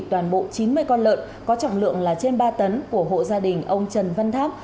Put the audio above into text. toàn bộ chín mươi con lợn có trọng lượng là trên ba tấn của hộ gia đình ông trần văn tháp